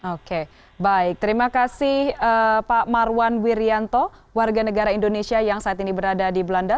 oke baik terima kasih pak marwan wiryanto warga negara indonesia yang saat ini berada di belanda